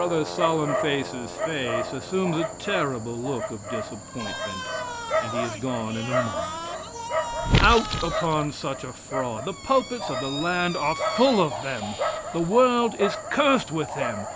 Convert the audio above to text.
S.'s face assumes a terrible look of disappointment, and he is gone in a moment. Out upon such a fraud! The pulpits of the land are full of them. The world is cursed with them!